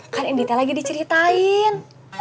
kan indite lagi diceritain